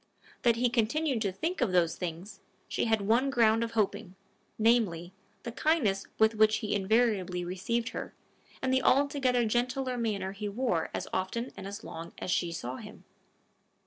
That he continued to think of those things, she had one ground of hoping, namely, the kindness with which he invariably received her, and the altogether gentler manner he wore as often and as long as she saw him.